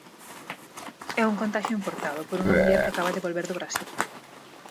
É un contaxio importado por unha muller que acaba de volver do Brasil.